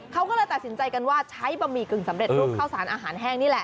เขาก็เลยตัดสินใจกันว่าใช้บะหมี่กึ่งสำเร็จรูปข้าวสารอาหารแห้งนี่แหละ